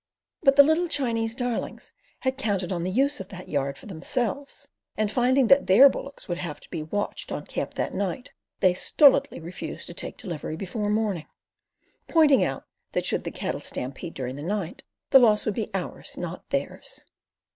But the "little Chinese darlings" had counted on the use of that yard for themselves, and finding that their bullocks would have to be "watched" on camp that night, they stolidly refused to take delivery before morning, pointing out that should the cattle stampede during the night, the loss would be ours, not theirs.